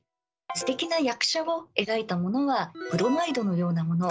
すてきな役者を描いたものはブロマイドのようなもの。